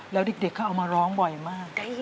แล้วเด็กเขาเอามาร้องบ่อยมาก